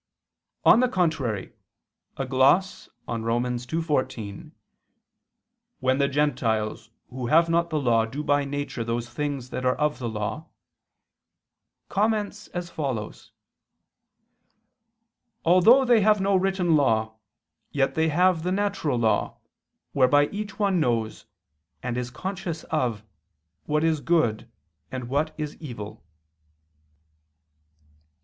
On the contrary, A gloss on Rom. 2:14: "When the Gentiles, who have not the law, do by nature those things that are of the law," comments as follows: "Although they have no written law, yet they have the natural law, whereby each one knows, and is conscious of, what is good and what is evil."